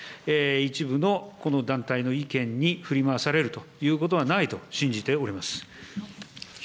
一部のこの団体の意見に振り回されるということはないと信じております。